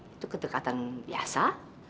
itu kedekatan biasa